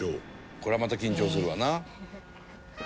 「こりゃまた緊張するわな」